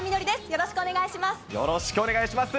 よろしくお願いします。